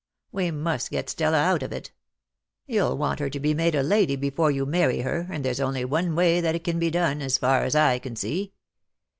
We must get Stella out of it. You'll want her made a lady before you marry her and there's only one way that it can be done,: as far as I can see.